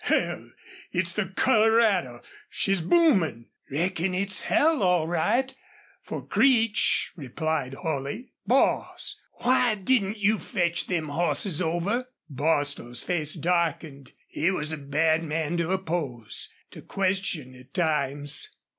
"Hell! ... It's the Colorado! She's boomin'!" "Reckon it's hell all right for Creech," replied Holley. "Boss, why didn't you fetch them hosses over?" Bostil's face darkened. He was a bad man to oppose to question at times.